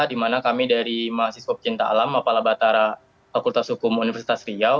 dimana kami dari mahasiswap cinta alam mapala batara fakultas hukum universitas riau